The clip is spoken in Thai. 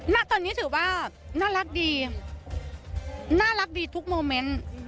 ณตอนนี้ถือว่าน่ารักดีน่ารักดีทุกโมเมนต์